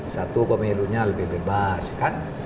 satu pemilunya lebih bebas kan